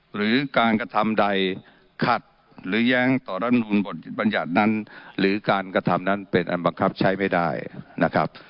หรือการกระทำใดขัดหรือแย้งต่อรัฐมนุนบทบัญญัตินั้นหรือการกระทำนั้นเป็นอันบังคับใช้ไม่ได้นะครับ